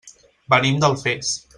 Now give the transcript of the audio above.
Venim d'Alfés.